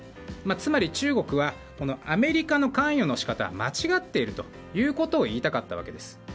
つまり、中国はアメリカの関与の仕方は間違っているということを言いたかったわけです。